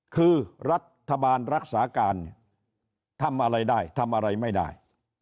คือรัฐบาลรักษาการเนี่ยทำอะไรได้ทำอะไรไม่ได้